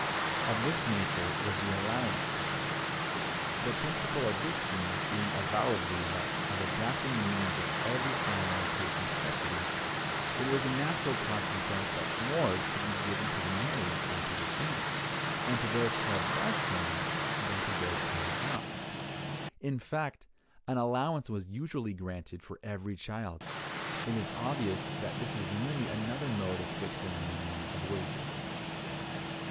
Of this nature was the allowance system. The principle of this scheme being avowedly that of adapting the means of every family to its necessities, it was a natural consequence that more should be given to the married than to the single, and to those who had large families than to those who had not: in fact, an allowance was usually granted for every child. It is obvious that this is merely another mode of fixing a minimum of wages.